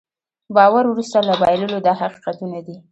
باور وروسته له بایللو دا حقیقتونه دي.